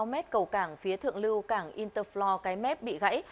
bốn mươi sáu m cầu cảng phía thượng lưu cảng interfloor cái mét bị gãy